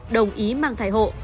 đồng ý mang thai hộ